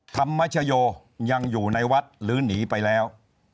ธรรมชโยยังอยู่ในวัดหรือหนีไปแล้ว